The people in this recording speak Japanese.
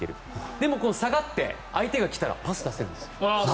でも下がって、相手が来たらパスを出せるんです。